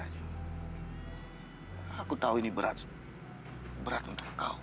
aku begini agar kau tidak akan